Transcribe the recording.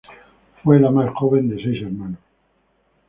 Fue la más joven de seis hermanos.